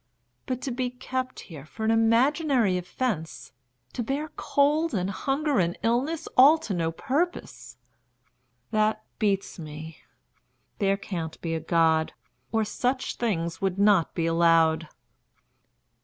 But to be kept here for an imaginary offence, to bear cold and hunger and illness all to no purpose that beats me. There can't be a God, or such things would not be allowed."